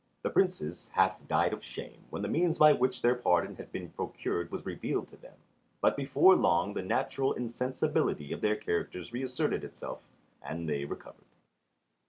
The Princes half died of shame when the means by which their pardon had been procured was revealed to them; but before long the natural insensibility of their characters reasserted itself and they recovered.